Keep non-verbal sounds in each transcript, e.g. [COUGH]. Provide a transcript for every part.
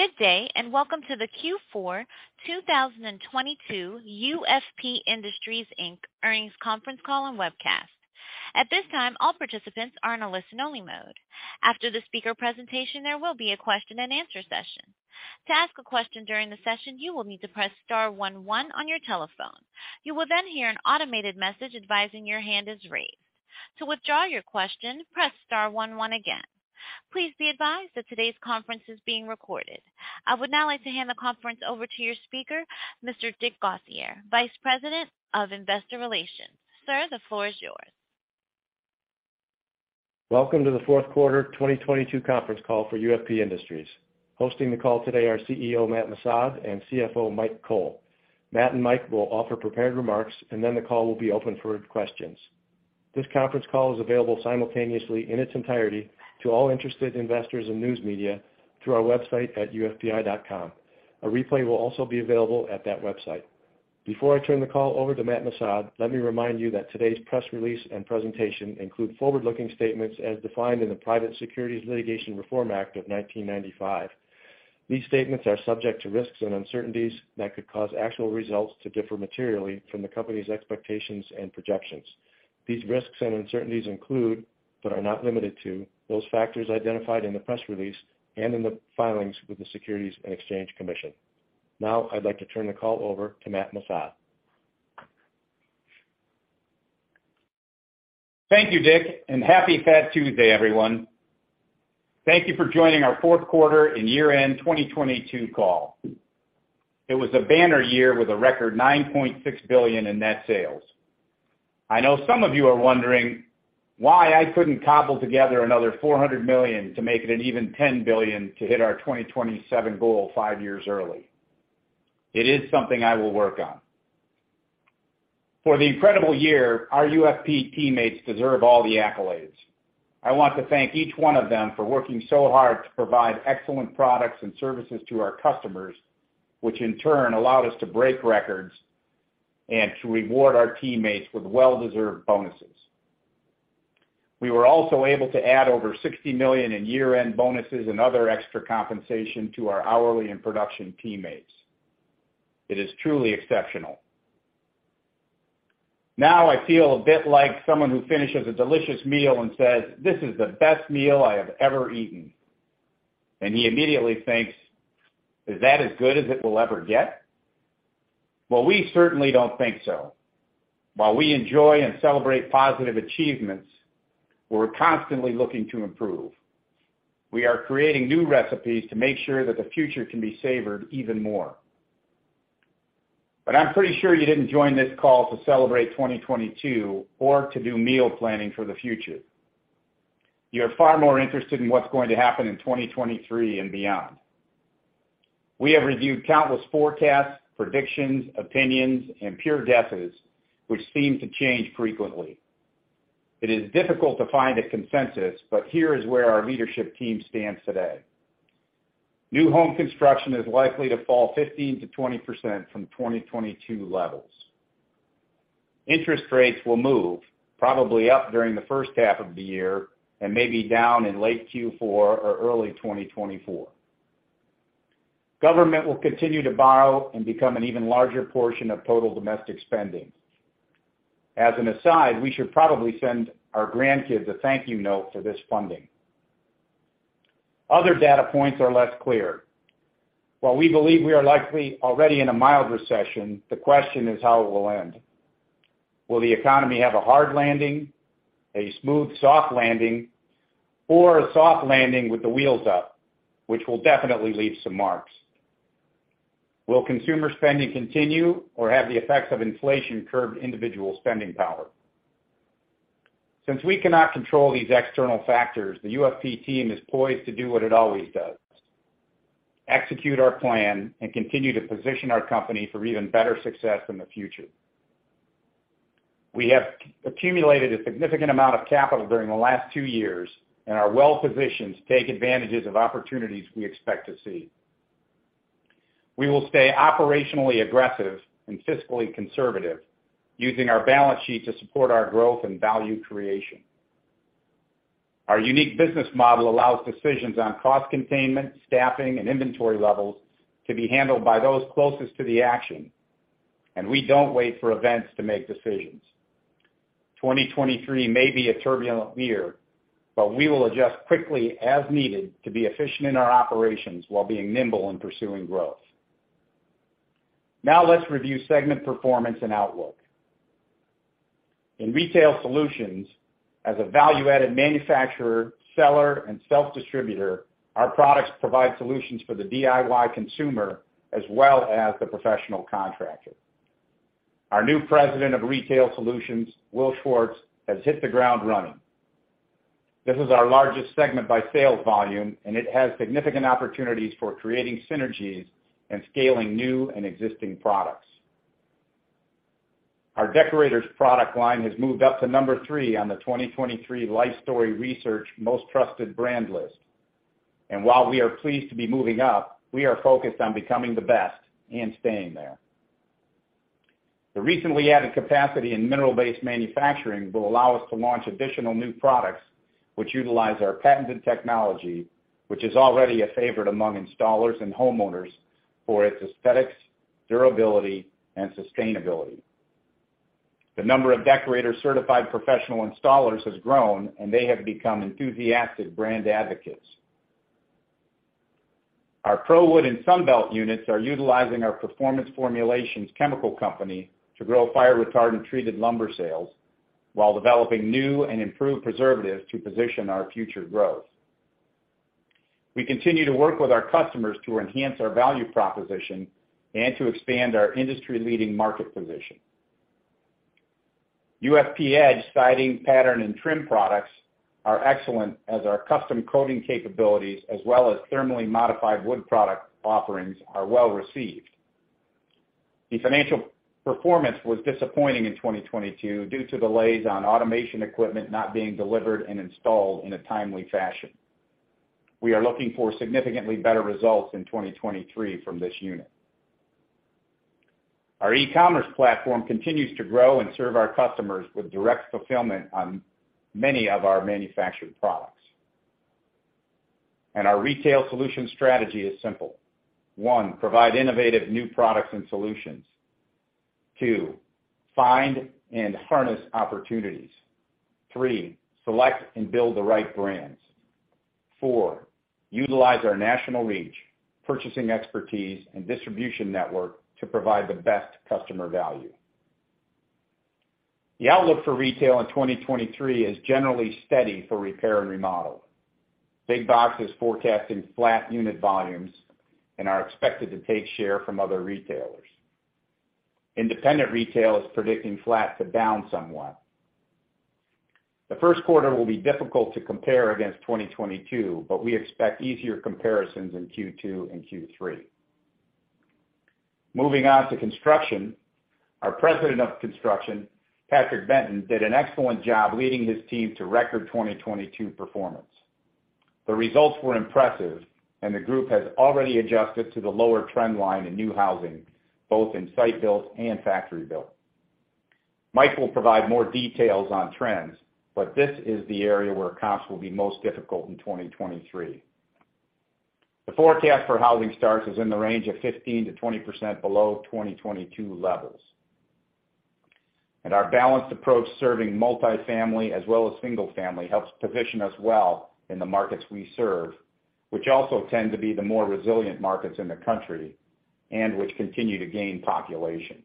Good day, and welcome to the Q4 2022 UFP Industries, Inc. Earnings Conference Call and webcast. At this time, all participants are in a listen-only mode. After the speaker presentation, there will be a question-and-answer session. To ask a question during the session, you will need to press star one one on your telephone. You will then hear an automated message advising your hand is raised. To withdraw your question, press star one one again. Please be advised that today's conference is being recorded. I would now like to hand the conference over to your speaker, Mr. Dick Gauthier, Vice President of Investor Relations. Sir, the floor is yours. Welcome to the fourth quarter 2022 conference call for UFP Industries. Hosting the call today are CEO, Matt Missad, and CFO, Mike Cole. Matt and Mike will offer prepared remarks, then the call will be open for questions. This conference call is available simultaneously in its entirety to all interested investors and news media through our website at ufpi.com. A replay will also be available at that website. Before I turn the call over to Matt Missad, let me remind you that today's press release and presentation include forward-looking statements as defined in the Private Securities Litigation Reform Act of 1995. These statements are subject to risks and uncertainties that could cause actual results to differ materially from the company's expectations and projections. These risks and uncertainties include, but are not limited to, those factors identified in the press release and in the filings with the Securities and Exchange Commission. I'd like to turn the call over to Matt Missad. Thank you, Dick, and happy Fat Tuesday, everyone. Thank you for joining our fourth quarter and year-end 2022 call. It was a banner year with a record $9.6 billion in net sales. I know some of you are wondering why I couldn't cobble together another $400 million to make it an even $10 billion to hit our 2027 goal five years early. It is something I will work on. For the incredible year, our UFP teammates deserve all the accolades. I want to thank each one of them for working so hard to provide excellent products and services to our customers, which in turn allowed us to break records and to reward our teammates with well-deserved bonuses. We were also able to add over $60 million in year-end bonuses and other extra compensation to our hourly and production teammates. It is truly exceptional. Now I feel a bit like someone who finishes a delicious meal and says, "This is the best meal I have ever eaten." He immediately thinks, "Is that as good as it will ever get?" Well, we certainly don't think so. While we enjoy and celebrate positive achievements, we're constantly looking to improve. We are creating new recipes to make sure that the future can be savored even more. I'm pretty sure you didn't join this call to celebrate 2022 or to do meal planning for the future. You're far more interested in what's going to happen in 2023 and beyond. We have reviewed countless forecasts, predictions, opinions, and pure guesses which seem to change frequently. It is difficult to find a consensus, but here is where our leadership team stands today. New home construction is likely to fall 15%-20% from 2022 levels. Interest rates will move probably up during the first half of the year and maybe down in late Q4 or early 2024. Government will continue to borrow and become an even larger portion of total domestic spending. As an aside, we should probably send our grandkids a thank you note for this funding. Other data points are less clear. While we believe we are likely already in a mild recession, the question is how it will end. Will the economy have a hard landing, a smooth soft landing, or a soft landing with the wheels up, which will definitely leave some marks? Will consumer spending continue or have the effects of inflation curb individual spending power? Since we cannot control these external factors, the UFP team is poised to do what it always does: execute our plan and continue to position our company for even better success in the future. We have accumulated a significant amount of capital during the last two years and are well-positioned to take advantages of opportunities we expect to see. We will stay operationally aggressive and fiscally conservative, using our balance sheet to support our growth and value creation. Our unique business model allows decisions on cost containment, staffing, and inventory levels to be handled by those closest to the action. We don't wait for events to make decisions. 2023 may be a turbulent year. We will adjust quickly as needed to be efficient in our operations while being nimble in pursuing growth. Let's review segment performance and outlook. In Retail Solutions, as a value-added manufacturer, seller, and self-distributor, our products provide solutions for the DIY consumer as well as the professional contractor. Our new President of Retail Solutions, Will Schwartz, has hit the ground running. It is our largest segment by sales volume, and it has significant opportunities for creating synergies and scaling new and existing products. Our Deckorators product line has moved up to number three on the 2023 Lifestory Research most trusted brand list. While we are pleased to be moving up, we are focused on becoming the best and staying there. The recently added capacity in Mineral-Based manufacturing will allow us to launch additional new products which utilize our patented technology, which is already a favorite among installers and homeowners for its aesthetics, durability, and sustainability. The number of Deckorators-certified professional installers has grown, and they have become enthusiastic brand advocates. Our ProWood and Sunbelt units are utilizing our Performance Formulations chemical company to grow fire retardant-treated lumber sales while developing new and improved preservatives to position our future growth. We continue to work with our customers to enhance our value proposition and to expand our industry-leading market position. UFP-Edge siding, pattern, and trim products are excellent as our custom coating capabilities as well as Thermally Modified Wood product offerings are well-received. The financial performance was disappointing in 2022 due to delays on automation equipment not being delivered and installed in a timely fashion. We are looking for significantly better results in 2023 from this unit. Our e-commerce platform continues to grow and serve our customers with direct fulfillment on many of our manufactured products. Our Retail Solution strategy is simple. One, provide innovative new products and solutions. Two, find and harness opportunities. Three, select and build the right brands. four, utilize our national reach, purchasing expertise, and distribution network to provide the best customer value. The outlook for retail in 2023 is generally steady for Repair and Remodel. Big Box is forecasting flat unit volumes and are expected to take share from other retailers. Independent retail is predicting flat to down somewhat. The first quarter will be difficult to compare against 2022, but we expect easier comparisons in Q2 and Q3. Moving on to construction. Our President of Construction, Patrick Benton, did an excellent job leading his team to record 2022 performance. The results were impressive and the group has already adjusted to the lower trend line in new housing, both in site-builds and factory-builds. Mike will provide more details on trends, but this is the area where costs will be most difficult in 2023. The forecast for housing starts is in the range of 15%-20% below 2022 levels. Our balanced approach serving multifamily as well as single-family helps position us well in the markets we serve, which also tend to be the more resilient markets in the country and which continue to gain population.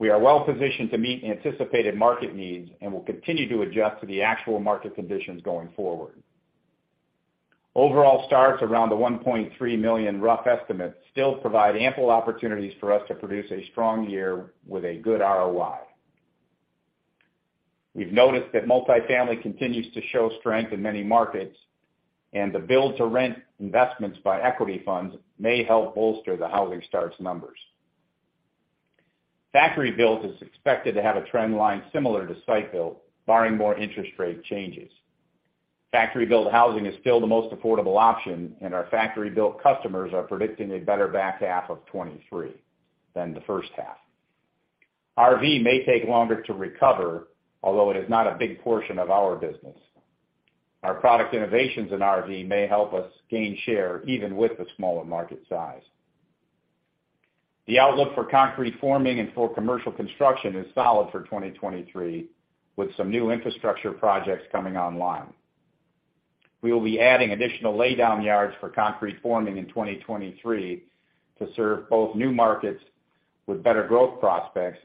We are well-positioned to meet anticipated market needs and will continue to adjust to the actual market conditions going forward. Overall starts around the 1.3 million rough estimates still provide ample opportunities for us to produce a strong year with a good ROI. We've noticed that multifamily continues to show strength in many markets, and the build-to-rent investments by equity funds may help bolster the housing starts numbers. Factory-builds is expected to have a trend line similar to site-build, barring more interest rate changes. Factory-built housing is still the most affordable option, and our factory-built customers are predicting a better back half of 2023 than the first half. RV may take longer to recover, although it is not a big portion of our business. Our product innovations in RV may help us gain share even with the smaller market size. The outlook for concrete forming and for commercial construction is solid for 2023, with some new infrastructure projects coming online. We will be adding additional laydown yards for concrete forming in 2023 to serve both new markets with better growth prospects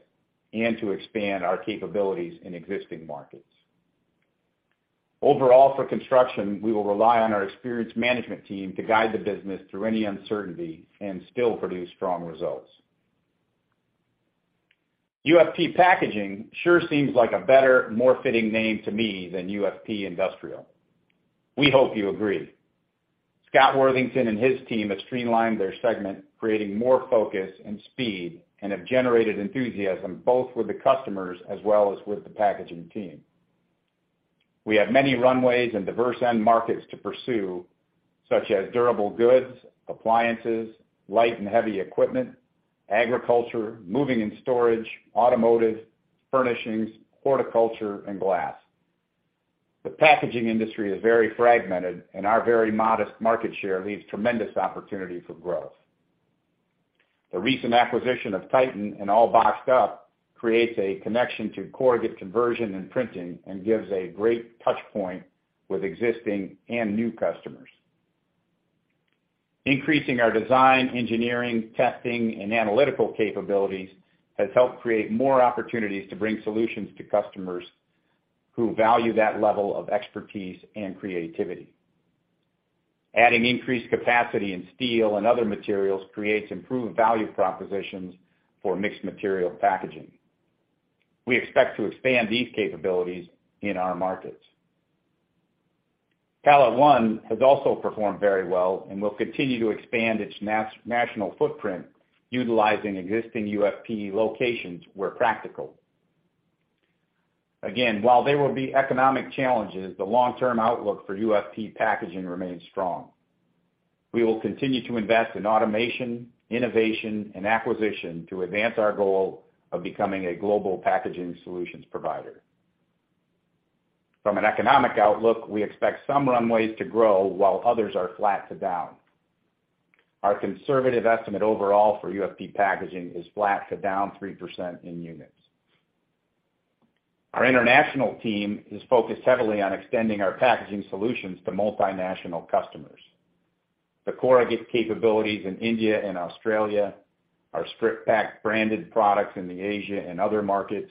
and to expand our capabilities in existing markets. Overall, for construction, we will rely on our experienced management team to guide the business through any uncertainty and still produce strong results. UFP Packaging sure seems like a better, more fitting name to me than UFP Industrial. We hope you agree. Scott Worthington and his team have streamlined their segment, creating more focus and speed, and have generated enthusiasm both with the customers as well as with the packaging team. We have many runways and diverse end markets to pursue, such as durable goods, appliances, light and heavy equipment, agriculture, moving and storage, automotive, furnishings, horticulture, and glass. The packaging industry is very fragmented, and our very modest market share leaves tremendous opportunity for growth. The recent acquisition of Titan and All Boxed Up creates a connection to corrugate conversion and printing and gives a great touchpoint with existing and new customers. Increasing our design, engineering, testing, and analytical capabilities has helped create more opportunities to bring solutions to customers who value that level of expertise and creativity. Adding increased capacity in steel and other materials creates improved value propositions for mixed material packaging. We expect to expand these capabilities in our markets. PalletOne has also performed very well and will continue to expand its national footprint utilizing existing UFP locations where practical. Again, while there will be economic challenges, the long-term outlook for UFP Packaging remains strong. We will continue to invest in automation, innovation, and acquisition to advance our goal of becoming a global packaging solutions provider. From an economic outlook, we expect some runways to grow while others are flat to down. Our conservative estimate overall for UFP Packaging is flat to down 3% in units. Our international team is focused heavily on extending our packaging solutions to multinational customers. The corrugated capabilities in India and Australia, our Strip-Pak branded products in the Asia and other markets,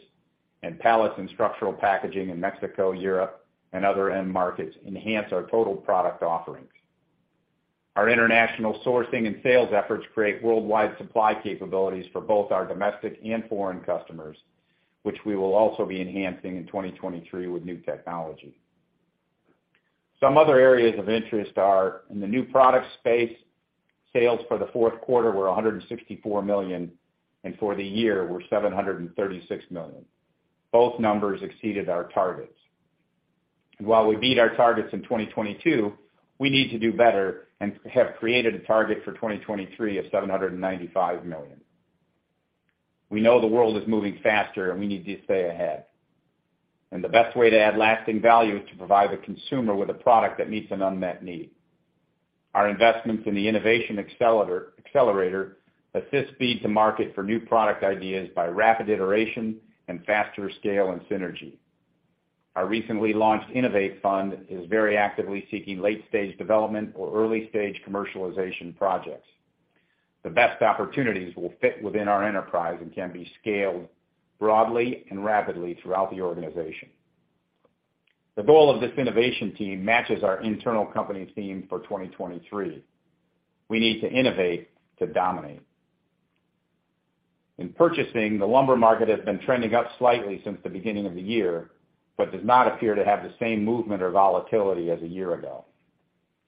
and pallets and structural packaging in Mexico, Europe, and other end markets enhance our total product offerings. Our international sourcing and sales efforts create worldwide supply capabilities for both our domestic and foreign customers, which we will also be enhancing in 2023 with new technology. Some other areas of interest are, in the new product space, sales for the fourth quarter were $164 million, and for the year were $736 million. Both numbers exceeded our targets. While we beat our targets in 2022, we need to do better and have created a target for 2023 of $795 million. We know the world is moving faster, and we need to stay ahead. The best way to add lasting value is to provide the consumer with a product that meets an unmet need. Our investments in the Innovation Accelerator assists speed to market for new product ideas by rapid iteration and faster scale and synergy. Our recently launched Innovate Fund is very actively seeking late-stage development or early-stage commercialization projects. The best opportunities will fit within our enterprise and can be scaled broadly and rapidly throughout the organization. The goal of this innovation team matches our internal company theme for 2023. We need to innovate to dominate. In purchasing, the lumber market has been trending up slightly since the beginning of the year, but does not appear to have the same movement or volatility as a year ago.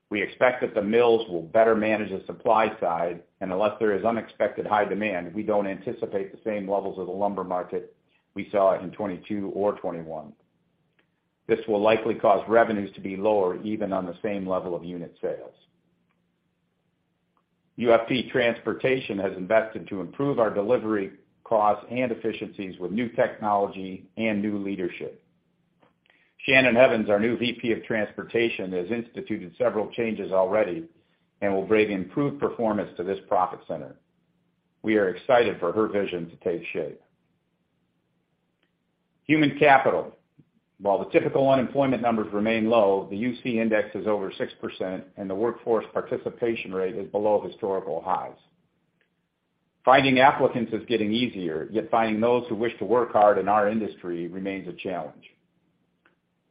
We expect that the mills will better manage the supply side, and unless there is unexpected high demand, we don't anticipate the same levels of the lumber market we saw in 2022 or 2021. This will likely cause revenues to be lower even on the same level of unit sales. UFP Transportation has invested to improve our delivery costs and efficiencies with new technology and new leadership. Shannon Evans, our new VP of Transportation, has instituted several changes already and will bring improved performance to this profit center. We are excited for her vision to take shape. Human capital. While the typical unemployment numbers remain low, the U-6 index is over 6%, and the workforce participation rate is below historical highs. Finding applicants is getting easier, yet finding those who wish to work hard in our industry remains a challenge.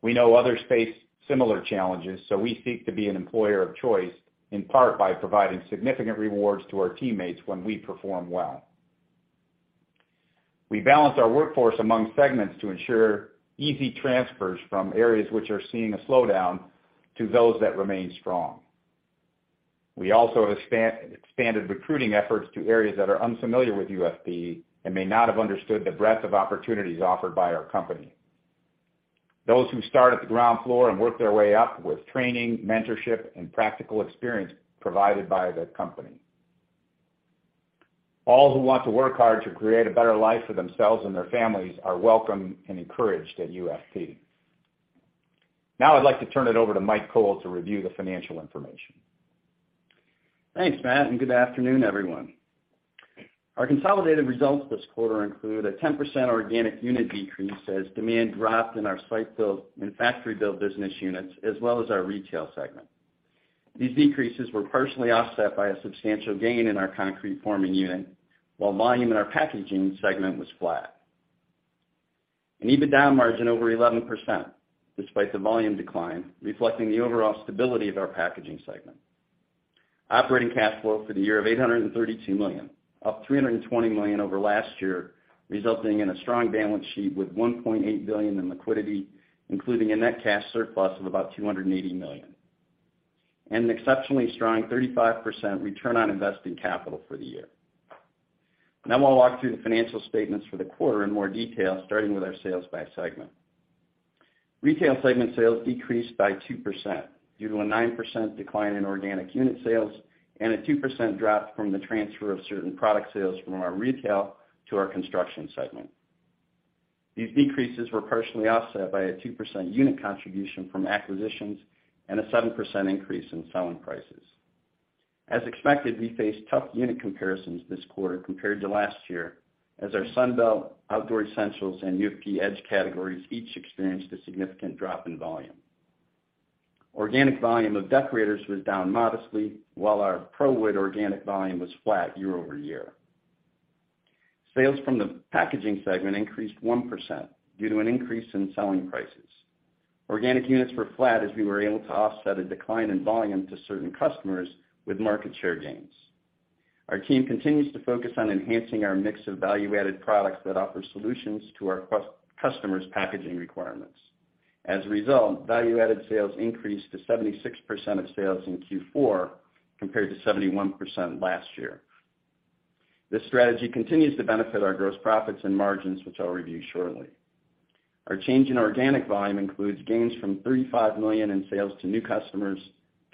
We know others face similar challenges, so we seek to be an employer of choice, in part by providing significant rewards to our teammates when we perform well. We balance our workforce among segments to ensure easy transfers from areas which are seeing a slowdown to those that remain strong. We also expanded recruiting efforts to areas that are unfamiliar with UFP and may not have understood the breadth of opportunities offered by our company. Those who start at the ground floor and work their way up with training, mentorship, and practical experience provided by the company. All who want to work hard to create a better life for themselves and their families are welcome and encouraged at UFP. I'd like to turn it over to Mike Cole to review the financial information. Thanks, Matt. Good afternoon, everyone. Our consolidated results this quarter include a 10% organic unit decrease as demand dropped in our factory-build business units as well as our retail segment. These decreases were partially offset by a substantial gain in our concrete forming unit, while volume in our packaging segment was flat. An EBITDA margin over 11%, despite the volume decline, reflecting the overall stability of our packaging segment. Operating cash flow for the year of $832 million, up $320 million over last year, resulting in a strong balance sheet with $1.8 billion in liquidity, including a net cash surplus of about $280 million, and an exceptionally strong 35% Return on Invested Capital for the year. Now I'll walk through the financial statements for the quarter in more detail, starting with our sales by segment. Retail segment sales decreased by 2% due to a 9% decline in organic unit sales and a 2% drop from the transfer of certain product sales from our retail to our construction segment. These decreases were partially offset by a 2% unit contribution from acquisitions and a 7% increase in selling prices. As expected, we faced tough unit comparisons this quarter compared to last year as our Sunbelt, Outdoor Essentials, and UFP-Edge categories each experienced a significant drop in volume. Organic volume of Deckorators was down modestly while our ProWood organic volume was flat year-over-year. Sales from the packaging segment increased 1% due to an increase in selling prices. Organic units were flat as we were able to offset a decline in volume to certain customers with market share gains. Our team continues to focus on enhancing our mix of value-added products that offer solutions to our customers' packaging requirements. As a result, value-added sales increased to 76% of sales in Q4 compared to 71% last year. This strategy continues to benefit our gross profits and margins, which I'll review shortly. Our change in organic volume includes gains from $35 million in sales to new customers,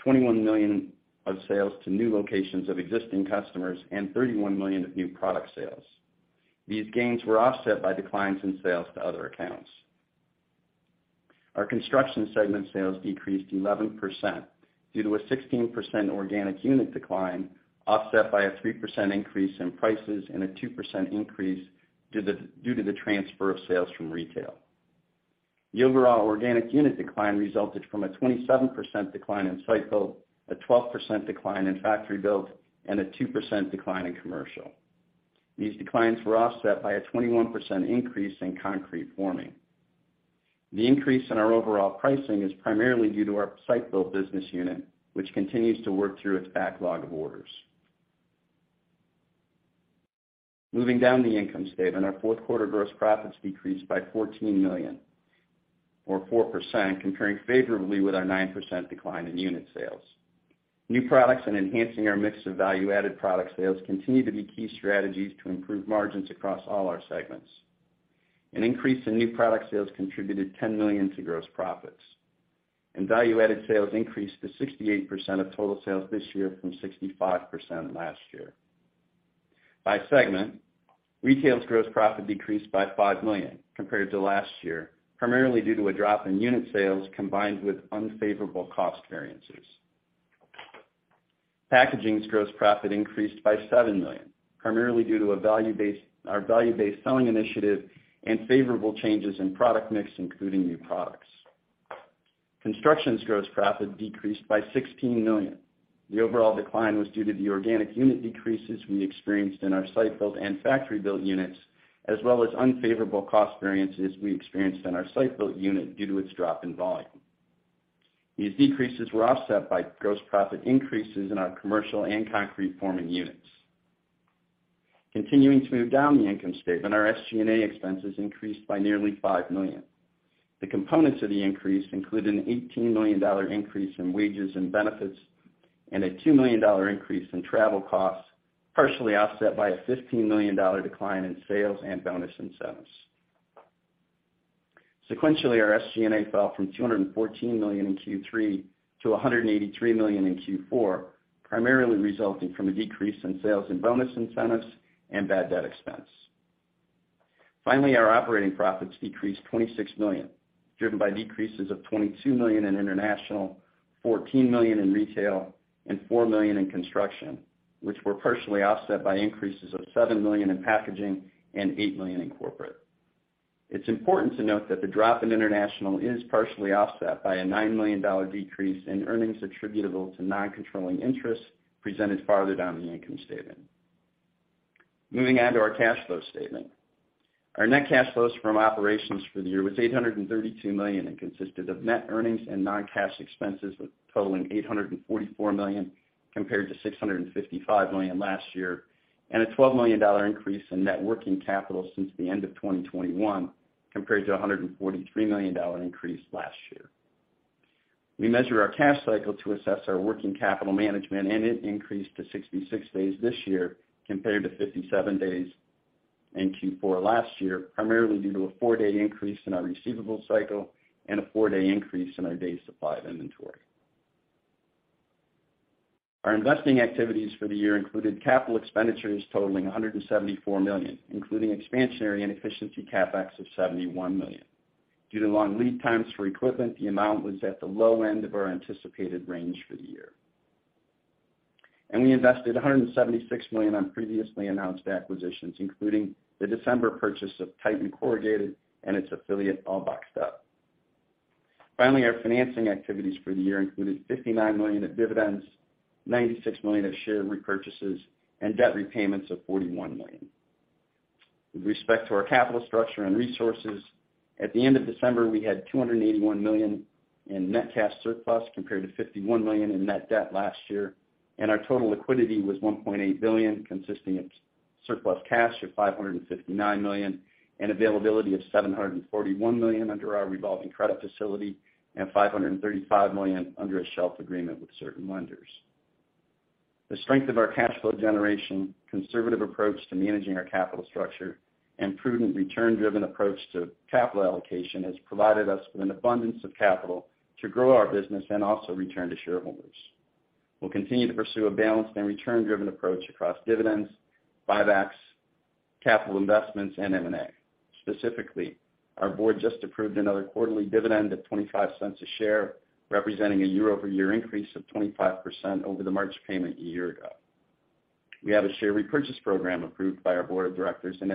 $21 million of sales to new locations of existing customers, and $31 million of new product sales. These gains were offset by declines in sales to other accounts. Our construction segment sales decreased 11% due to a 16% organic unit decline, offset by a 3% increase in prices and a 2% increase due to the transfer of sales from Retail. The overall organic unit decline resulted from a 27% decline in site-build, a 12% decline in factory-build, and a 2% decline in commercial. These declines were offset by a 21% increase in concrete forming. The increase in our overall pricing is primarily due to our site-build business unit, which continues to work through its backlog of orders. Moving down the income statement, our fourth quarter gross profits decreased by $14 million, or 4%, comparing favorably with our 9% decline in unit sales. New products and enhancing our mix of value-added product sales continue to be key strategies to improve margins across all our segments. An increase in new product sales contributed $10 million to gross profits, and value-added sales increased to 68% of total sales this year from 65% last year. By segment, Retail's gross profit decreased by $5 million compared to last year, primarily due to a drop in unit sales combined with unfavorable cost variances. Packaging's gross profit increased by $7 million, primarily due to our value-based selling initiative and favorable changes in product mix, including new products. Construction's gross profit decreased by $16 million. The overall decline was due to the organic unit decreases we experienced in our site-build and factory-build units, as well as unfavorable cost variances we experienced in our site-build unit due to its drop in volume. These decreases were offset by gross profit increases in our commercial and concrete forming units. Continuing to move down the income statement, our SG&A expenses increased by nearly $5 million. The components of the increase include an $18 million increase in wages and benefits, and a $2 million increase in travel costs, partially offset by a $15 million decline in sales and bonus incentives. Sequentially, our SG&A fell from $214 million in Q3 to $183 million in Q4, primarily resulting from a decrease in sales and bonus incentives and bad debt expense. Finally, our operating profits decreased $26 million, driven by decreases of $22 million in international, $14 million in retail, and $4 million in construction, which were partially offset by increases of $7 million in packaging and $8 million in corporate. It's important to note that the drop in international is partially offset by a $9 million decrease in earnings attributable to non-controlling interests presented farther down the income statement. Moving on to our cash flow statement. Our net cash flows from operations for the year was $832 million and consisted of net earnings and non-cash expenses totaling $844 million, compared to $655 million last year, and a $12 million increase in net working capital since the end of 2021, compared to a $143 million increase last year. We measure our cash cycle to assess our working capital management, and it increased to 66 days this year compared to 57 days in Q4 last year, primarily due to a four-day increase in our receivable cycle and a four-day increase in our days' supply of inventory. Our investing activities for the year included capital expenditures totaling $174 million, including expansionary and efficiency CapEx of $71 million. Due to long lead times for equipment, the amount was at the low end of our anticipated range for the year. We invested $176 million on previously announced acquisitions, including the December purchase of Titan Corrugated and its affiliate, All Boxed Up. Finally, our financing activities for the year included $59 million of dividends, $96 million of share repurchases, and debt repayments of $41 million. With respect to our capital structure and resources, at the end of December, we had $281 million in net cash surplus compared to $51 million in net debt last year. Our total liquidity was $1.8 billion, consisting of surplus cash of $559 million and availability of $741 million under our revolving credit facility and $535 million under a shelf agreement with certain lenders. The strength of our cash flow generation, conservative approach to managing our capital structure, and prudent return-driven approach to capital allocation has provided us with an abundance of capital to grow our business and also return to shareholders. We'll continue to pursue a balanced and return-driven approach across dividends, buybacks, capital investments, and M&A. Specifically, our board just approved another quarterly dividend of $0.25 a share, representing a year-over-year increase of 25% over the March payment a year ago. We have a share repurchase program approved by our board of directors and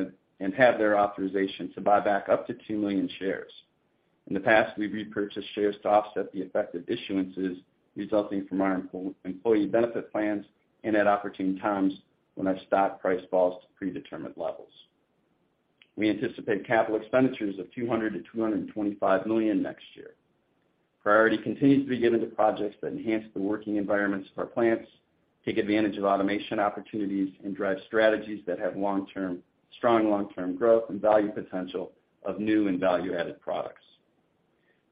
have their authorization to buy back up to 2 million shares. In the past, we've repurchased shares to offset the effect of issuances resulting from our employee benefit plans and at opportune times when our stock price falls to predetermined levels. We anticipate CapEx of $200 million-$225 million next year. Priority continues to be given to projects that enhance the working environments of our plants, take advantage of automation opportunities, drive strategies that have strong long-term growth and value potential of new and value-added products.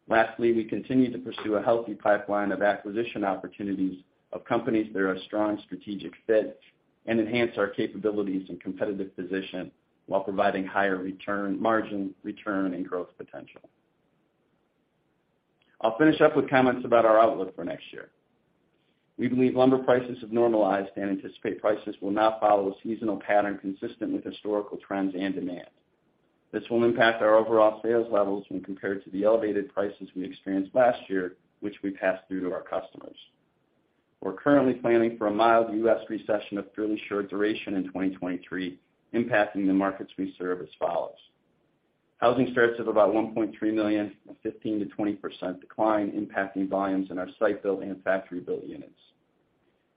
Lastly, we continue to pursue a healthy pipeline of acquisition opportunities of companies that are a strong strategic fit and enhance our capabilities and competitive position while providing higher return margin, return and growth potential. I'll finish up with comments about our outlook for next year. We believe lumber prices have normalized and anticipate prices will now follow a seasonal pattern consistent with historical trends and demand. This will impact our overall sales levels when compared to the elevated prices we experienced last year, which we passed through to our customers. We're currently planning for a mild U.S. recession of fairly short duration in 2023, impacting the markets we serve as follows: housing starts of about $1.3 million, a 15%-20% decline impacting volumes in our site-build and factory-build units.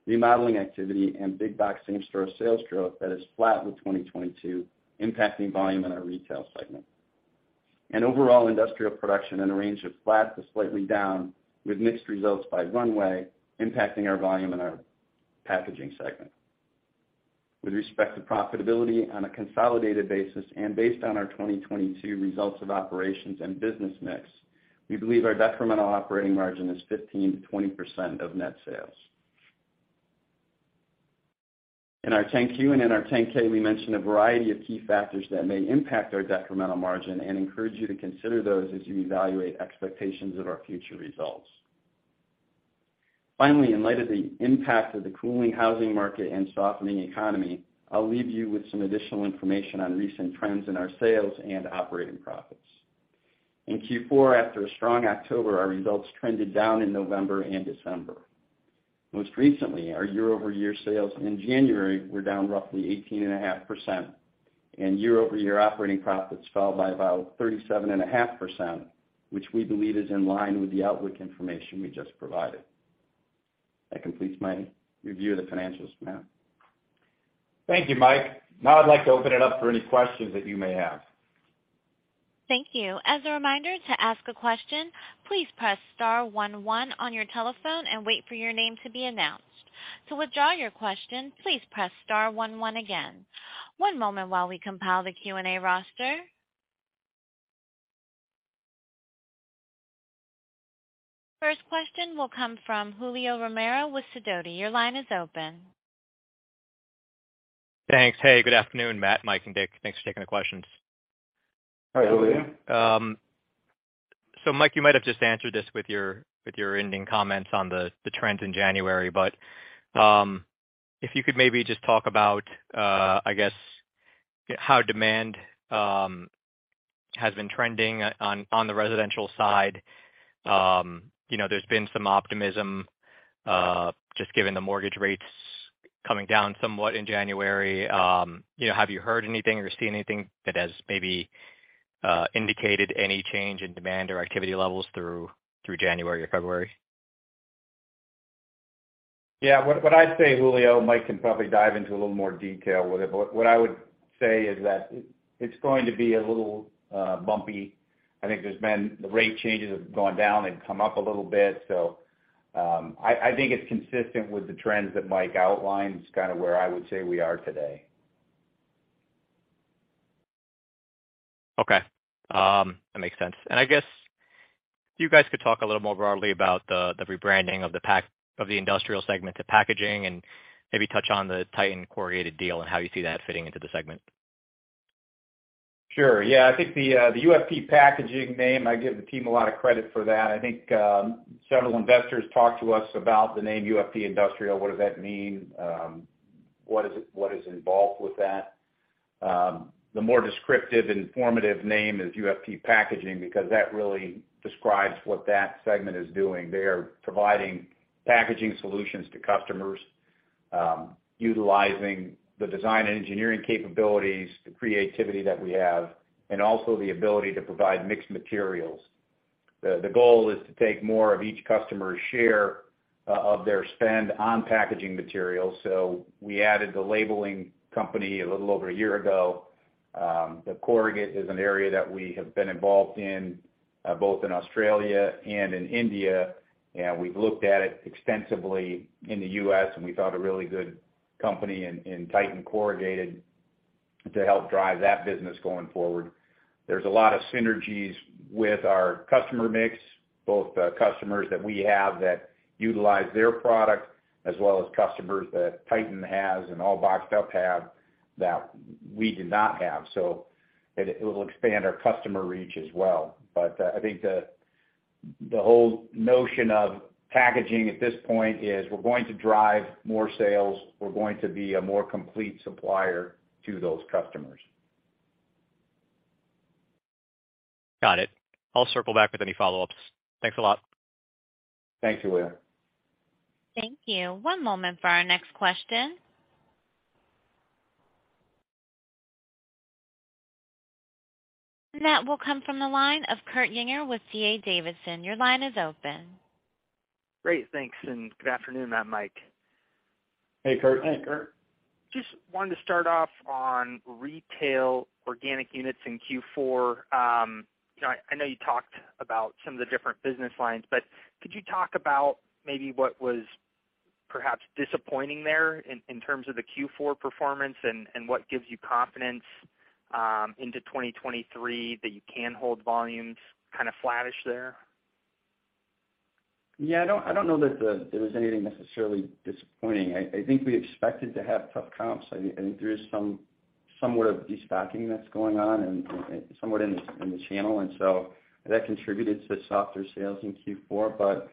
Remodeling activity and Big Box same-store sales growth that is flat with 2022 impacting volume in our retail segment. Overall industrial production in a range of flat to slightly down with mixed results by runway impacting our volume in our packaging segment. With respect to profitability on a consolidated basis and based on our 2022 results of operations and business mix, we believe our incremental operating margin is 15%-20% of net sales. In our 10-Q and in our 10-K, we mentioned a variety of key factors that may impact our decremental margin and encourage you to consider those as you evaluate expectations of our future results. In light of the impact of the cooling housing market and softening economy, I'll leave you with some additional information on recent trends in our sales and operating profits. In Q4, after a strong October, our results trended down in November and December. Most recently, our year-over-year sales in January were down roughly 18.5%, and year-over-year operating profits fell by about 37.5%, which we believe is in line with the outlook information we just provided. That completes my review of the financials, Matt. Thank you, Mike. I'd like to open it up for any questions that you may have. Thank you. As a reminder to ask a question, please press star one one on your telephone and wait for your name to be announced. To withdraw your question, please press star one one again. One moment while we compile the Q&A roster. First question will come from Julio Romero with Sidoti. Your line is open. Thanks. Hey, good afternoon, Matt, Mike, and Dick. Thanks for taking the questions. Hi, Julio. Mike, you might have just answered this with your, with your ending comments on the trends in January, but if you could maybe just talk about, I guess how demand has been trending on the residential side. You know, there's been some optimism, just given the mortgage rates coming down somewhat in January. You know, have you heard anything or seen anything that has maybe indicated any change in demand or activity levels through January or February? Yeah. What I'd say, Julio, Mike can probably dive into a little more detail with it, but what I would say is that it's going to be a little bumpy. I think there's been the rate changes have gone down and come up a little bit. I think it's consistent with the trends that Mike outlined. It's kind of where I would say we are today. Okay. That makes sense. I guess if you guys could talk a little more broadly about the rebranding of the Industrial segment to Packaging and maybe touch on the Titan Corrugated deal and how you see that fitting into the segment. Sure. Yeah. I think the UFP Packaging name, I give the team a lot of credit for that. I think several investors talk to us about the name UFP Industrial. What does that mean? What is involved with that? The more descriptive, informative name is UFP Packaging because that really describes what that segment is doing. They are providing packaging solutions to customers, utilizing the design engineering capabilities, the creativity that we have, and also the ability to provide mixed materials. The goal is to take more of each customer's share of their spend on packaging materials. We added the labeling company a little over a year ago. The corrugate is an area that we have been involved in, both in Australia and in India, and we've looked at it extensively in the U.S., and we found a really good company in Titan Corrugated to help drive that business going forward. There's a lot of synergies with our customer mix, both customers that we have that utilize their product, as well as customers that Titan has and All Boxed Up have that we did not have. It will expand our customer reach as well. I think the whole notion of packaging at this point is we're going to drive more sales. We're going to be a more complete supplier to those customers. Got it. I'll circle back with any follow-ups. Thanks a lot. Thank you, Julio. Thank you. One moment for our next question. That will come from the line of Kurt Yinger with D.A. Davidson. Your line is open. Great. Thanks. Good afternoon, Matt and Mike. Hey, Kurt. Hey, Kurt. Just wanted to start off on retail organic units in Q4. you know, I know you talked about some of the different business lines, but could you talk about maybe what was perhaps disappointing there in terms of the Q4 performance and what gives you confidence into 2023 that you can hold volumes kind of flattish there? Yeah, I don't know that there was anything necessarily disappointing. I think we expected to have tough comps. I think there is somewhat of destocking that's going on and somewhat in the channel, and so that contributed to softer sales in Q4. But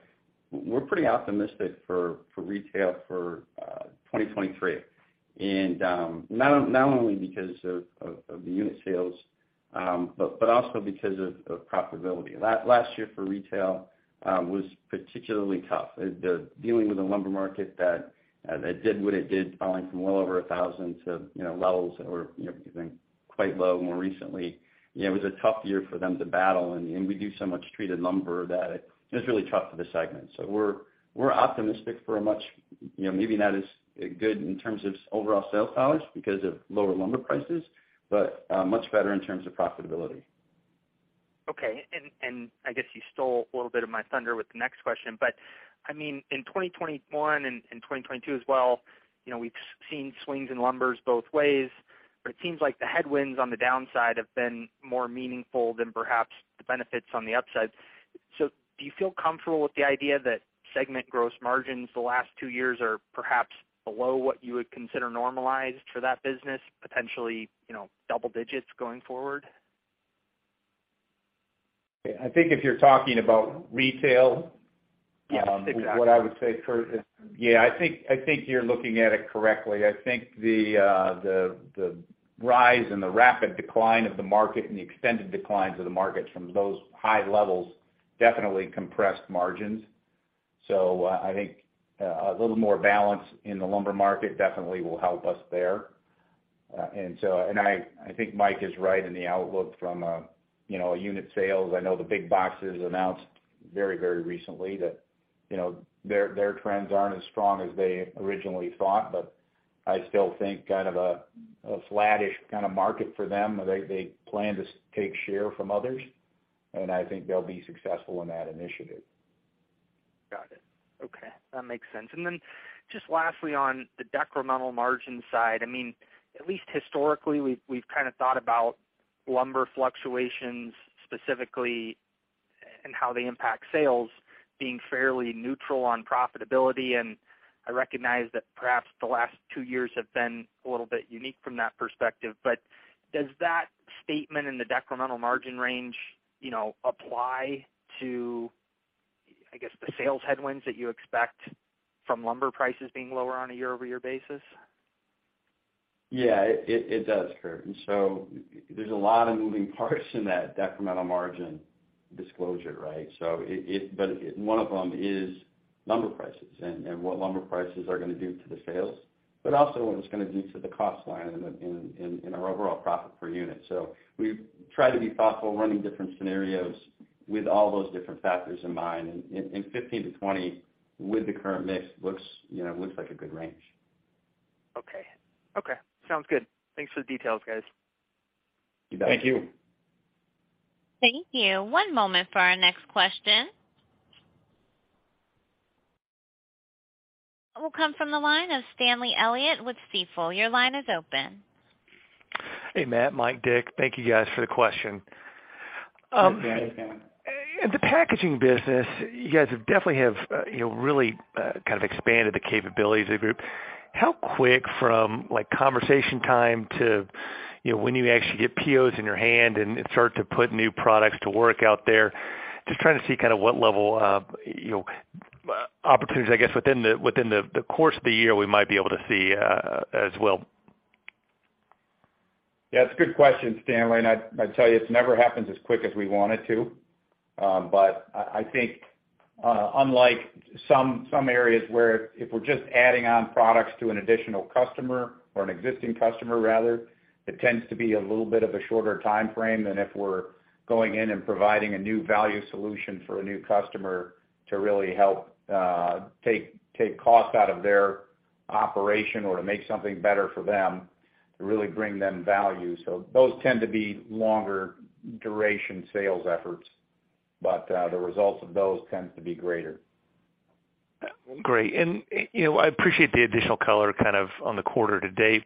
we're pretty optimistic for retail for 2023. And not only because of the unit sales, but also because of profitability. Last year for retail was particularly tough. The dealing with the lumber market that did what it did, falling from well over 1,000 to, you know, levels that were, you know, getting quite low more recently. Yeah, it was a tough year for them to battle, and we do so much treated lumber that it was really tough for the segment. We're optimistic for a much, you know, maybe not as good in terms of overall sales dollars because of lower lumber prices, but much better in terms of profitability. Okay. I guess you stole a little bit of my thunder with the next question. In 2021 and 2022 as well, you know, we've seen swings in lumbers both ways, but it seems like the headwinds on the downside have been more meaningful than perhaps the benefits on the upside. Do you feel comfortable with the idea that segment gross margins the last two years are perhaps below what you would consider normalized for that business, potentially, you know, double digits going forward? I think if you're talking about retail-. Yes, exactly. what I would say, Kurt, is, yeah, I think, I think you're looking at it correctly. I think the, the rise and the rapid decline of the market and the extended declines of the markets from those high levels definitely compressed margins. I think, a little more balance in the lumber market definitely will help us there. I think Mike is right in the outlook from, you know, a unit sales. I know the Big Boxes announced very, very recently that, you know, their trends aren't as strong as they originally thought, but I still think kind of a flattish kind of market for them. They, they plan to take share from others, and I think they'll be successful in that initiative. Got it. Okay, that makes sense. Just lastly, on the decremental margin side, I mean, at least historically, we've kind of thought about lumber fluctuations specifically and how they impact sales being fairly neutral on profitability. I recognize that perhaps the last two years have been a little bit unique from that perspective. Does that statement in the decremental margin range, you know, apply to, I guess, the sales headwinds that you expect from lumber prices being lower on a year-over-year basis? Yeah, it does, Kurt. There's a lot of moving parts in that decremental margin disclosure, right? But one of them is lumber prices and what lumber prices are gonna do to the sales, but also what it's gonna do to the cost line in our overall profit per unit. We try to be thoughtful running different scenarios with all those different factors in mind. 15%-20% with the current mix looks, you know, looks like a good range. Okay. Okay, sounds good. Thanks for the details, guys. You bet. Thank you. Thank you. One moment for our next question. Will come from the line of Stanley Elliott with Stifel. Your line is open. Hey, Matt, Mike, Dick, thank you guys for the question. Hey, Stanley. In the packaging business, you guys have definitely have, you know, really, kind of expanded the capabilities of the group. How quick from like, conversation time to, you know, when you actually get POs in your hand and start to put new products to work out there, just trying to see kind of what level of, you know, opportunities, I guess, within the, within the course of the year we might be able to see, as well. Yeah, it's a good question, Stanley. I'd tell you it never happens as quick as we want it to. I think unlike some areas where if we're just adding on products to an additional customer or an existing customer rather, it tends to be a little bit of a shorter timeframe than if we're going in and providing a new value solution for a new customer to really help take cost out of their operation or to make something better for them to really bring them value. Those tend to be longer duration sales efforts, but the results of those tends to be greater. Great. You know, I appreciate the additional color kind of on the quarter-to-date.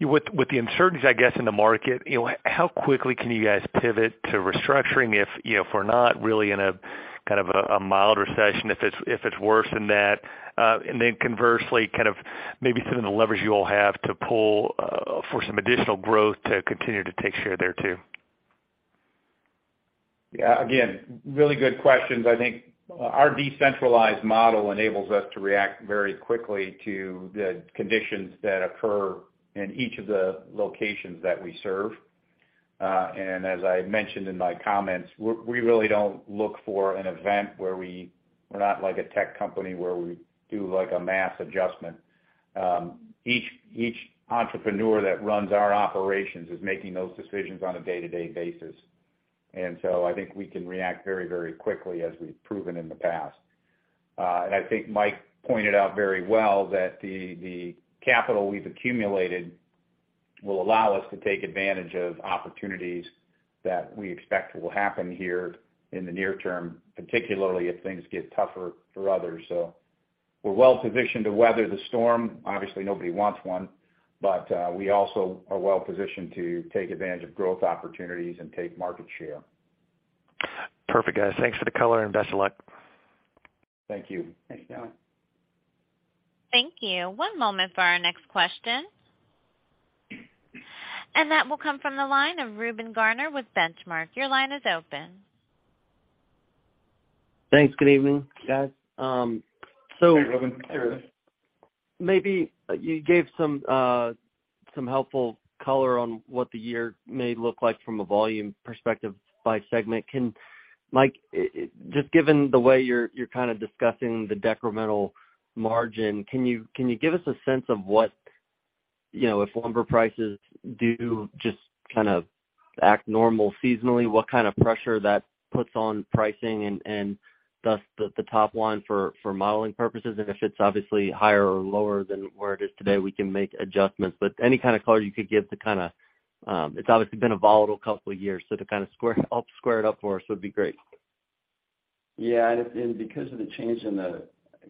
With the uncertainties, I guess, in the market, you know, how quickly can you guys pivot to restructuring if, you know, if we're not really in a kind of a mild recession, if it's worse than that? Conversely, kind of maybe some of the levers you all have to pull for some additional growth to continue to take share there too. Again, really good questions. I think our decentralized model enables us to react very quickly to the conditions that occur in each of the locations that we serve. As I mentioned in my comments, we really don't look for an event where We're not like a tech company where we do, like, a mass adjustment. Each entrepreneur that runs our operations is making those decisions on a day-to-day basis. I think we can react very, very quickly as we've proven in the past. I think Mike pointed out very well that the capital we've accumulated will allow us to take advantage of opportunities that we expect will happen here in the near term, particularly if things get tougher for others. We're well positioned to weather the storm. Obviously, nobody wants one, but we also are well positioned to take advantage of growth opportunities and take market share. Perfect, guys. Thanks for the color and best of luck. Thank you. Thanks, Stan. Thank you. One moment for our next question. That will come from the line of Reuben Garner with Benchmark. Your line is open. Thanks. Good evening, guys. Hey, Reuben. How are you? Maybe you gave some helpful color on what the year may look like from a volume perspective by segment. Mike, just given the way you're kind of discussing the decremental margin, can you give us a sense of what, you know, if lumber prices do just kind of act normal seasonally, what kind of pressure that puts on pricing and thus the top line for modeling purposes? If it's obviously higher or lower than where it is today, we can make adjustments. Any kind of color you could give. It's obviously been a volatile couple of years, so to help square it up for us would be great. Yeah. Because of the change in the,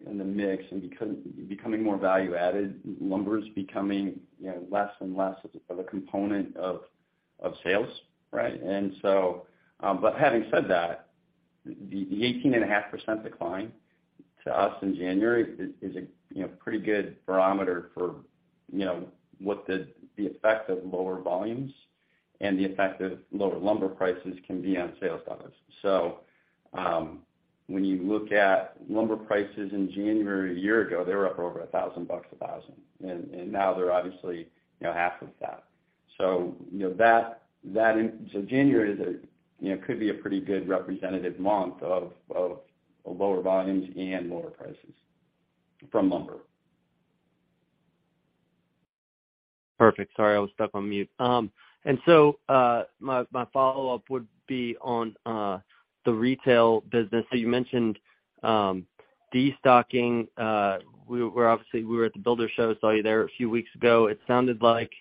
in the mix and becoming more value-added, lumber is becoming, you know, less and less of a component of sales, right? But having said that, the 18.5% decline to us in January is a, you know, pretty good barometer for, you know, what the effect of lower volumes and the effect of lower lumber prices can be on sales dollars. When you look at lumber prices in January a year ago, they were up over $1,000 a. [AUDIO DISTORTION] Now they're obviously, you know, half of that. January is a, you know, could be a pretty good representative month of lower volumes and lower prices from lumber. Perfect. Sorry, I was stuck on mute. My follow-up would be on the retail business. You mentioned destocking. We were at the builder show, saw you there a few weeks ago. It sounded like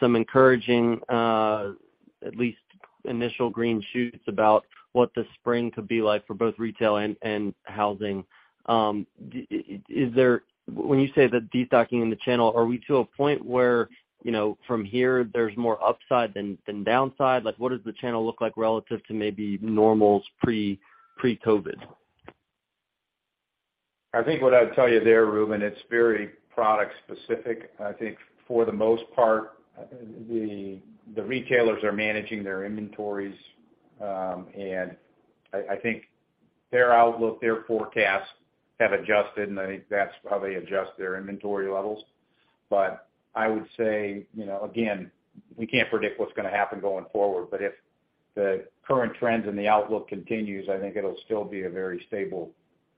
some encouraging, at least initial green shoots about what the spring could be like for both retail and housing. When you say the destocking in the channel, are we to a point where, you know, from here, there's more upside than downside? Like, what does the channel look like relative to maybe normals pre-COVID? I think what I would tell you there, Reuben, it's very product specific. I think for the most part, the retailers are managing their inventories. I think their outlook, their forecasts have adjusted, and I think that's how they adjust their inventory levels. I would say, you know, again, we can't predict what's gonna happen going forward, but if the current trends and the outlook continues, I think it'll still be a very stable,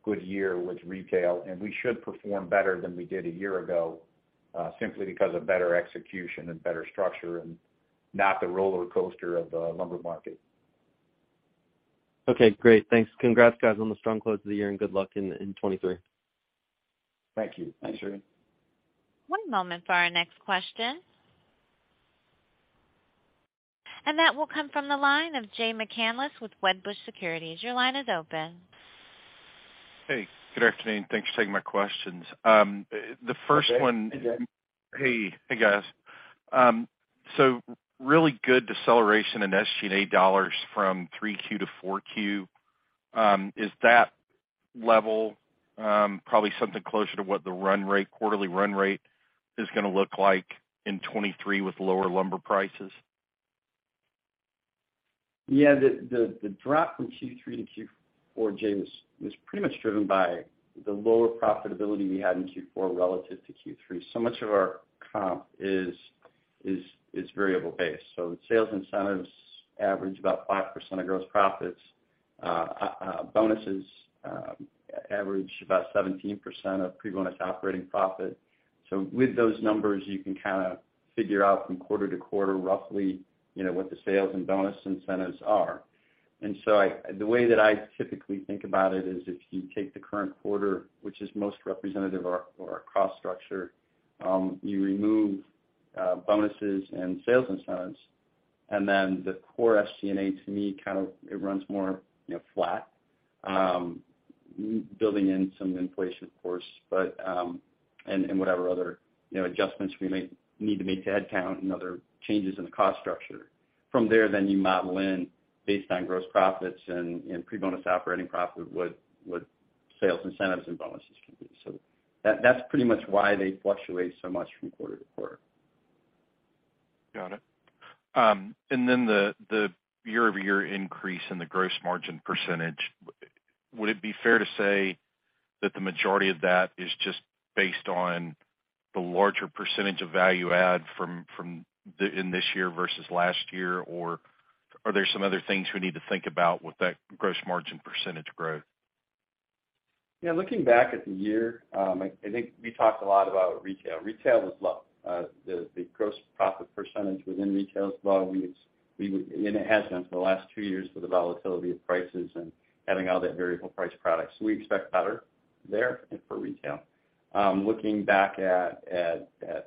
good year with retail, and we should perform better than we did a year ago, simply because of better execution and better structure and not the roller coaster of the lumber market. Okay, great. Thanks. Congrats, guys, on the strong close of the year, and good luck in 2023. Thank you. Thanks, Reuben. One moment for our next question. That will come from the line of Jay McCanless with Wedbush Securities. Your line is open. Hey, good afternoon. Thanks for taking my questions. Hey, Jay. Hey. Hey, guys. Really good deceleration in SG&A dollars from 3Q to 4Q. Is that level probably something closer to what the run rate, quarterly run rate is gonna look like in 2023 with lower lumber prices? Yeah. The drop from Q3 to Q4, Jay, was pretty much driven by the lower profitability we had in Q4 relative to Q3. Much of our comp is variable based. Sales incentives average about 5% of gross profits. Bonuses average about 17% of pre-bonus operating profit. With those numbers, you can kinda figure out from quarter to quarter roughly, you know, what the sales and bonus incentives are. The way that I typically think about it is if you take the current quarter, which is most representative of our cost structure, you remove bonuses and sales incentives, and then the core SG&A to me kind of it runs more, you know, flat, building in some inflation, of course, but and whatever other, you know, adjustments we may need to make to headcount and other changes in the cost structure. From there, you model in based on gross profits and pre-bonus operating profit, what sales incentives and bonuses can be. That's pretty much why they fluctuate so much from quarter to quarter. Got it. The year-over-year increase in the gross margin percentage, would it be fair to say that the majority of that is just based on the larger percentage of value add from the in this year versus last year? Or are there some other things we need to think about with that gross margin percentage growth? Yeah. Looking back at the year, I think we talked a lot about retail. Retail was low. The gross profit percentage within retail is low. It has been for the last two years with the volatility of prices and having all that variable price products. We expect better there for retail. Looking back at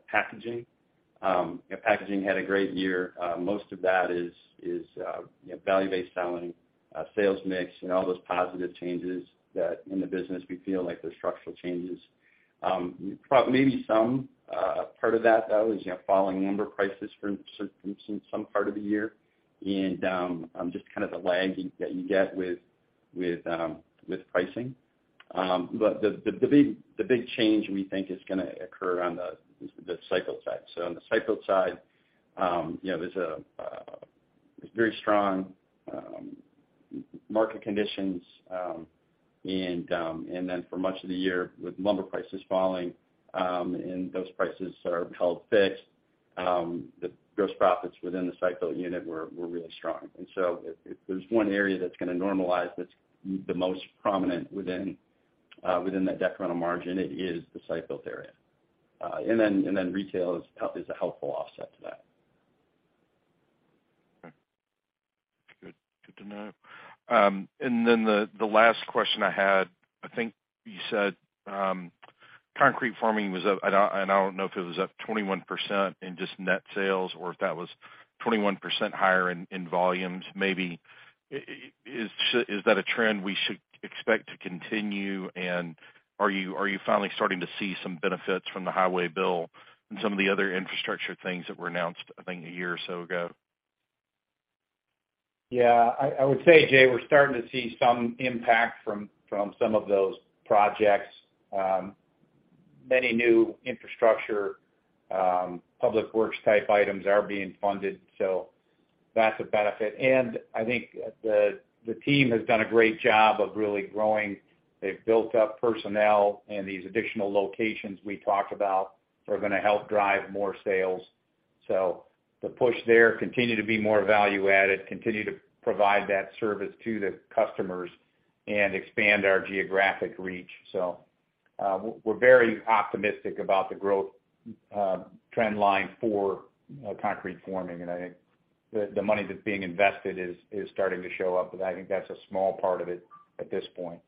packaging, you know, packaging had a great year. Most of that is, you know, value-based selling, sales mix, and all those positive changes that in the business we feel like they're structural changes. Maybe some part of that though is, you know, falling lumber prices for some part of the year and just kind of the lag that you get with pricing. The big change we think is gonna occur on the site-built side. On the site-built side, you know, there's a very strong market conditions, and then for much of the year with lumber prices falling, and those prices are held fixed, the gross profits within the site-built unit were really strong. If there's one area that's gonna normalize that's the most prominent within that decremental margin, it is the site-built area. Then retail is a helpful offset to that. Okay. Good to know. The last question I had, I think you said concrete forming was up, and I don't know if it was up 21% in just net sales, or if that was 21% higher in volumes maybe. Is that a trend we should expect to continue? Are you finally starting to see some benefits from the highway bill and some of the other infrastructure things that were announced, I think, a year or so ago? Yeah. I would say, Jay, we're starting to see some impact from some of those projects. Many new infrastructure, public works type items are being funded, so that's a benefit. I think the team has done a great job of really growing. They've built up personnel and these additional locations we talked about are gonna help drive more sales. The push there continue to be more value added, continue to provide that service to the customers and expand our geographic reach. We're very optimistic about the growth trend line for concrete forming. I think the money that's being invested is starting to show up, but I think that's a small part of it at this point.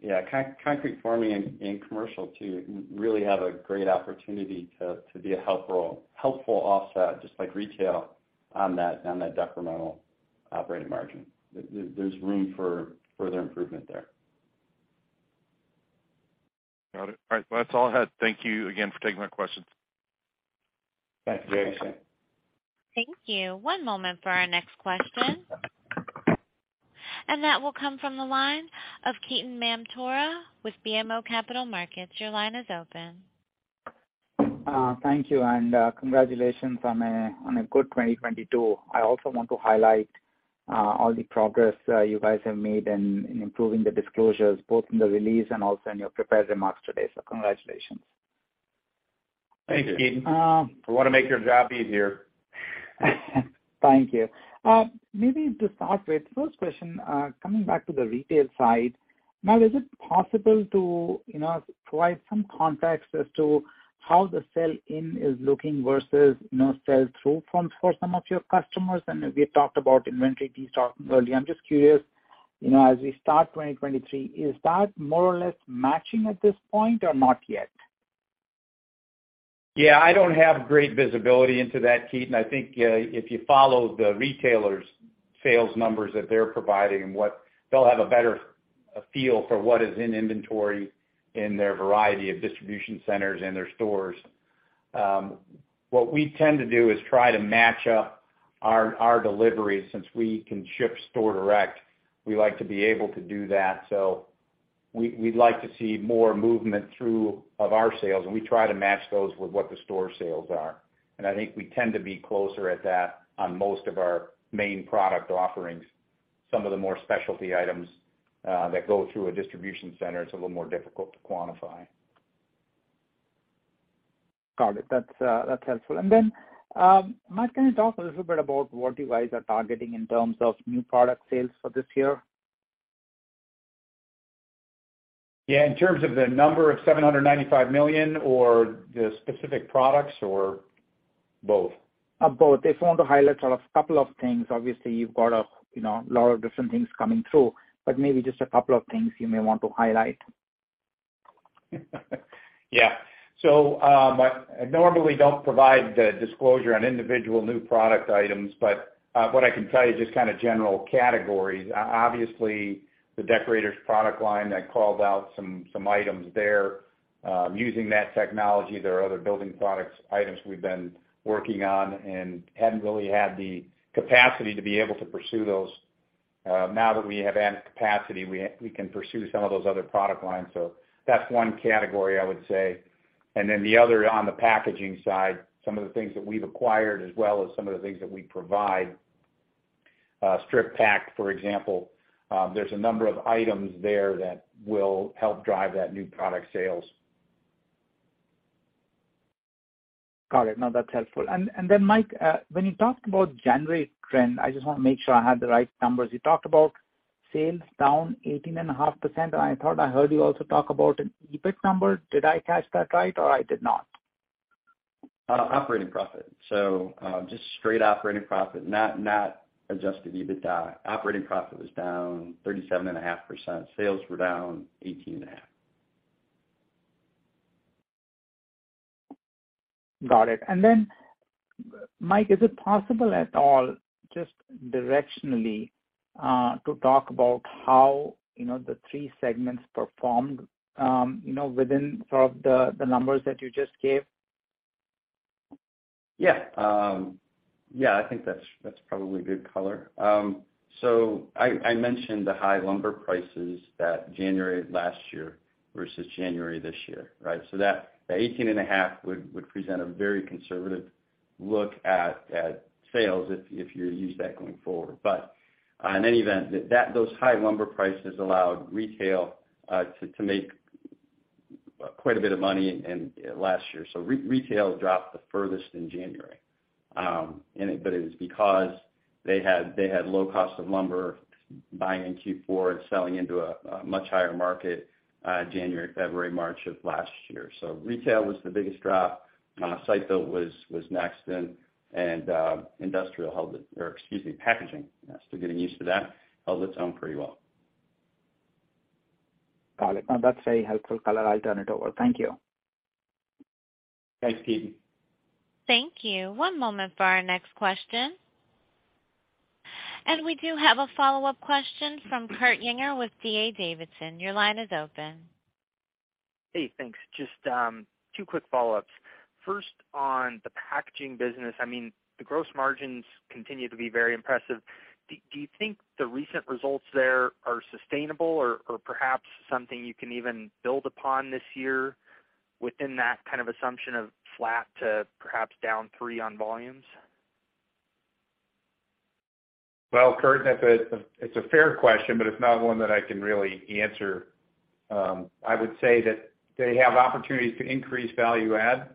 Yeah. concrete forming and commercial too, really have a great opportunity to be a helpful offset, just like retail on that decremental operating margin. There's room for further improvement there. Got it. All right. Well, that's all I had. Thank you again for taking my questions. Thanks, Jay. Thank you. One moment for our next question. That will come from the line of Ketan Mamtora with BMO Capital Markets. Your line is open. Thank you, and congratulations on a good 2022. I also want to highlight all the progress you guys have made in improving the disclosures, both in the release and also in your prepared remarks today. Congratulations. Thanks, Ketan. Um- We wanna make your job easier. Thank you. Maybe to start with, first question, coming back to the retail side. Now, is it possible to, you know, provide some context as to how the sell-in is looking versus, you know, sell-through from, for some of your customers? We talked about inventory stocking earlier. I'm just curious, you know, as we start 2023, is that more or less matching at this point or not yet? Yeah, I don't have great visibility into that, Ketan. I think if you follow the retailers' sales numbers that they're providing and what. They'll have a better feel for what is in inventory in their variety of distribution centers and their stores. What we tend to do is try to match up our deliveries since we can ship store direct, we like to be able to do that. We'd like to see more movement through of our sales, and we try to match those with what the store sales are. I think we tend to be closer at that on most of our main product offerings. Some of the more specialty items that go through a distribution center, it's a little more difficult to quantify. Got it. That's, that's helpful. Mike, can you talk a little bit about what you guys are targeting in terms of new product sales for this year? Yeah. In terms of the number of $795 million or the specific products or both? Both. If you want to highlight sort of couple of things. Obviously, you've got you know, lot of different things coming through, but maybe just a couple of things you may want to highlight. Yeah. I normally don't provide the disclosure on individual new product items, but what I can tell you, just kind of general categories, obviously the Deckorators product line that called out some items there. Using that technology, there are other building products items we've been working on and hadn't really had the capacity to be able to pursue those. Now that we have added capacity, we can pursue some of those other product lines. That's one category I would say. The other on the packaging side, some of the things that we've acquired as well as some of the things that we provide, Strip-Pak, for example, there's a number of items there that will help drive that new product sales. Got it. No, that's helpful. Mike, when you talked about January trend, I just wanna make sure I have the right numbers. You talked about sales down 18 and a half percent, and I thought I heard you also talk about an EBIT number. Did i catch that right or I did not? Operating profit. Just straight operating profit, not Adjusted EBITDA. Operating profit was down 37.5%. Sales were down 18.5%. Got it. Mike, is it possible at all, just directionally, to talk about how, you know, the three segments performed, you know, within sort of the numbers that you just gave? Yeah, I think that's probably good color. I mentioned the high lumber prices that January last year versus January this year, right? That 18.5% would present a very conservative look at sales if you use that going forward. In any event, those high lumber prices allowed retail to make quite a bit of money in, last year. Retail dropped the furthest in January. It was because they had, they had low cost of lumber buying in Q4 and selling into a much higher market, January, February, March of last year. Retail was the biggest drop. Site-build was next in and, or excuse me, Packaging, still getting used to that, held its own pretty well. Got it. That's a helpful color. I'll turn it over. Thank you. Thanks, Ketan. Thank you. One moment for our next question. We do have a follow-up question from Kurt Yinger with D.A. Davidson. Your line is open. Hey, thanks. Just two quick follow-ups. First, on the UFP Packaging business, I mean, the gross margins continue to be very impressive. Do you think the recent results there are sustainable or perhaps something you can even build upon this year within that kind of assumption of flat to perhaps down 3% on volumes? Well, Kurt, it's a fair question, but it's not one that I can really answer. I would say that they have opportunities to increase value add,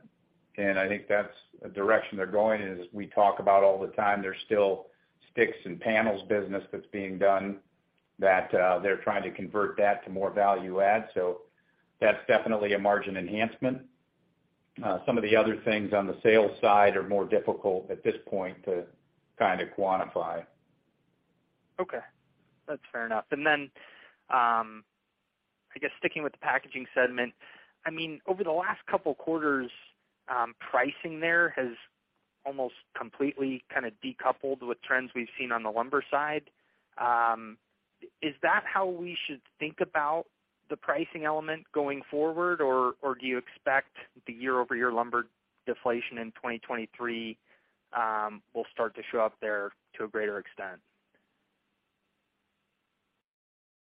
I think that's a direction they're going. As we talk about all the time, there's still sticks and panels business that's being done that, they're trying to convert that to more value add. That's definitely a margin enhancement. Some of the other things on the sales side are more difficult at this point to kinda quantify. Okay, that's fair enough. I guess sticking with the Packaging Segment, I mean, over the last couple quarters, pricing there has almost completely kinda decoupled with trends we've seen on the lumber side. Is that how we should think about the pricing element going forward, or do you expect the year-over-year lumber deflation in 2023 will start to show up there to a greater extent?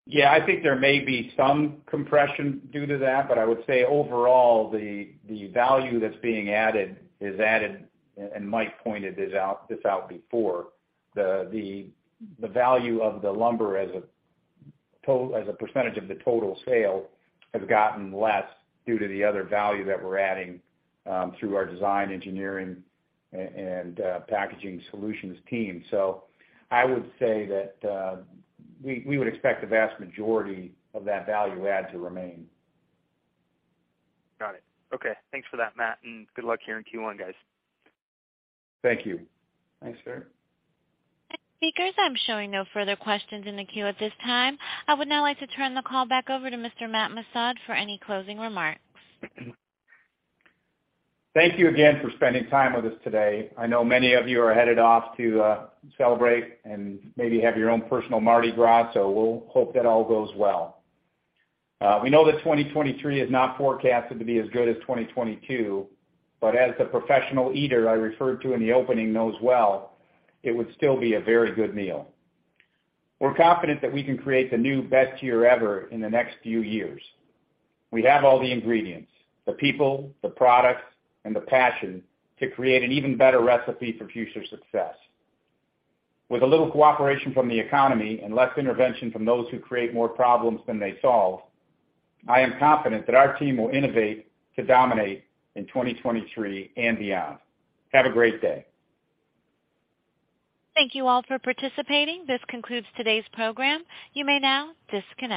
Yeah, I think there may be some compression due to that. I would say overall, the value that's being added is added, Mike pointed this out before, the value of the lumber as a percentage of the total sale has gotten less due to the other value that we're adding, through our design, engineering, and packaging solutions team. I would say that we would expect the vast majority of that value add to remain. Got it. Okay, thanks for that, Matt, and good luck here in Q1, guys. Thank you. Thanks, Kurt. Speakers, I'm showing no further questions in the queue at this time. I would now like to turn the call back over to Mr. Matt Missad for any closing remarks. Thank you again for spending time with us today. I know many of you are headed off to celebrate and maybe have your own personal Mardi Gras, so we'll hope that all goes well. We know that 2023 is not forecasted to be as good as 2022, but as the professional eater I referred to in the opening knows well, it would still be a very good meal. We're confident that we can create the new best year ever in the next few years. We have all the ingredients, the people, the products, and the passion to create an even better recipe for future success. With a little cooperation from the economy and less intervention from those who create more problems than they solve, I am confident that our team will innovate to dominate in 2023 and beyond. Have a great day. Thank you all for participating. This concludes today's program. You may now disconnect.